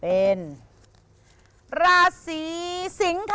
เป็นธุระสีสิงศ์